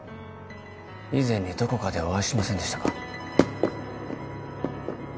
以前にどこかでお会いしませんでしたか？